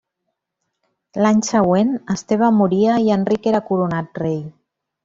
L'any següent Esteve moria i Enric era coronat rei.